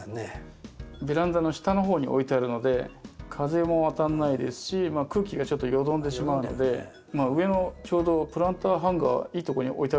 ベランダの下のほうに置いてあるので風も当たらないですし空気がちょっとよどんでしまうので上のちょうどプランターハンガーいいとこに置いてあるんですけど。